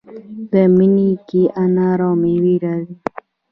په مني کې انار او مڼې راځي.